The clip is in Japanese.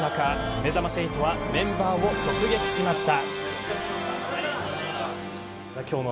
めざまし８はメンバーを直撃しました。